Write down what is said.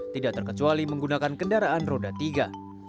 tidak terkecuali menggunakan kendaraan roda tiga